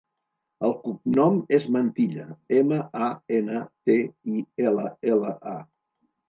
El cognom és Mantilla: ema, a, ena, te, i, ela, ela, a.